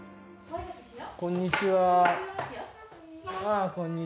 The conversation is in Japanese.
こんにちは。